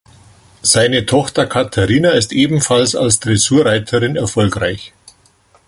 Seine Tochter Katharina ist ebenfalls als Dressurreiterin erfolgreich.